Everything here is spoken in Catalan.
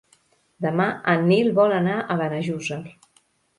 Demà en Nil vol anar a Benejússer.